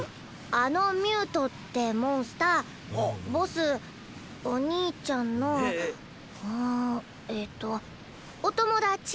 あのミュートってモンスターボスお兄ちゃんのうんえっとお友達？